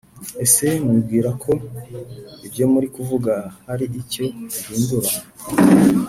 ese mwibwirako ibyo muri kuvuga hari icyo bihindura